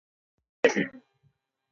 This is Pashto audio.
افغانستان د یورانیم لپاره مشهور دی.